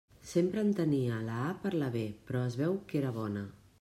Sempre entenia la a per la be, però es veu que era bona.